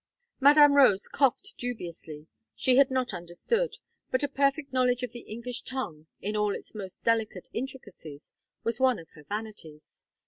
Madame Rose coughed dubiously she had not understood; but a perfect knowledge of the English tongue, in all its most delicate intricacies, was one of her vanities.